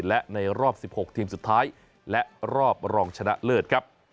และในรอบ๑๖ทีมสุดท้ายและรอบรองชนะเลิศครับ